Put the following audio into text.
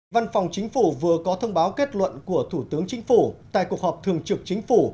văn phòng chính phủ vừa có thông báo kết luận của thủ tướng chính phủ tại cuộc họp thường trực chính phủ